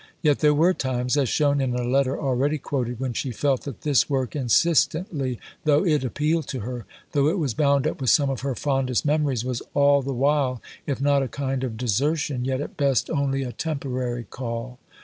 Yet there were times, as shown in a letter already quoted (p. 82), when she felt that this work, insistently though it appealed to her, though it was bound up with some of her fondest memories, was all the while, if not a kind of desertion, yet at best only a temporary call.